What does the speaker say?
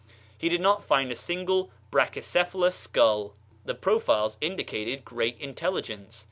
He did not find a single brachycephalous skull. The profiles indicated great intelligence.